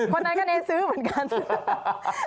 คนนั้นก็เน้นซื้อเหมือนกัน